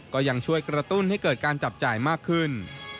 ก็ยังช่วยกระตุ้นให้เกิดการจับจ่ายมากขึ้น